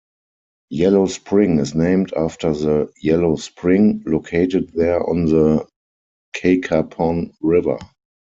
Yellow Spring is named after the "Yellow Spring" located there on the Cacapon River.